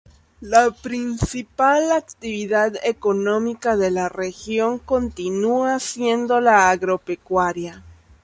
La principal actividad económica de la región continúa siendo la agropecuaria.